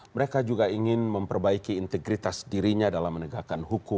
mereka juga ingin memperbaiki integritas dirinya dalam menegakkan hukum